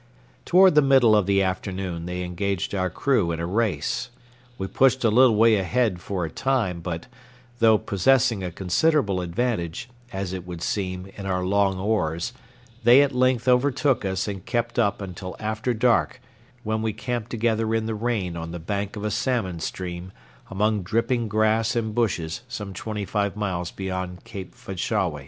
Toward the middle of the afternoon they engaged our crew in a race. We pushed a little way ahead for a time, but, though possessing a considerable advantage, as it would seem, in our long oars, they at length overtook us and kept up until after dark, when we camped together in the rain on the bank of a salmon stream among dripping grass and bushes some twenty five miles beyond Cape Fanshawe.